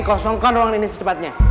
kosongkan ruangan ini secepatnya